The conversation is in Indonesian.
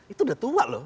itu udah tua loh